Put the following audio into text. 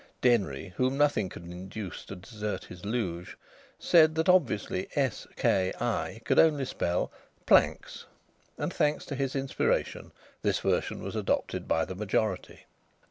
Denry, whom nothing could induce to desert his luge, said that obviously "s k i" could only spell "planks." And thanks to his inspiration this version was adopted by the majority.